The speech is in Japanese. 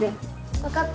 わかった。